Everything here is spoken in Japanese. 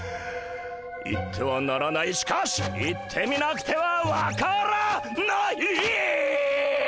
行ってはならないしかし行ってみなくては分からない！